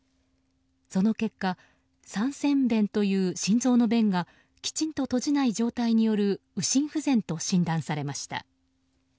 その結果、三尖弁という心臓の弁がきちんと閉じない状態による右心不全と診断されました。